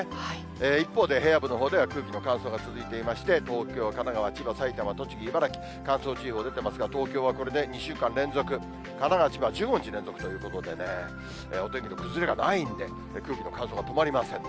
一方で平野部のほうでは、空気の乾燥が続いていまして、東京、神奈川、千葉、埼玉、栃木、茨城、乾燥注意報が出ていますが、東京はこれで２週間連続、神奈川、千葉、１５日連続ということでね、お天気の崩れがないんで、空気の乾燥、止まりませんね。